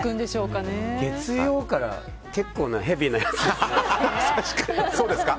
月曜から結構なヘビーなやつですね。